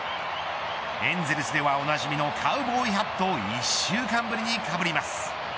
エンゼルスではおなじみのカウボーイハットを１週間ぶりにかぶります。